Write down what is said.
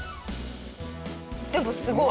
でもすごい。